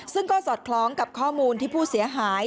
ซึ่งก็สอดคล้องกับข้อมูลที่ผู้เสียหาย